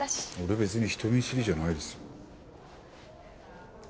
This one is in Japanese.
俺別に人見知りじゃないですよ。